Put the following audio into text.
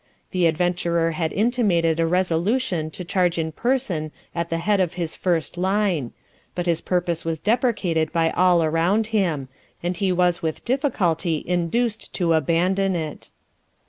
The adventurer had intimated a resolution to charge in person at the head of his first line; but his purpose was deprecated by all around him, and he was with difficulty induced to abandon it.